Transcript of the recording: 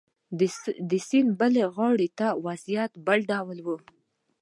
د سیند بلې غاړې ته وضعیت بل ډول و.